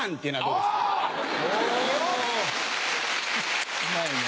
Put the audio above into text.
うまいね。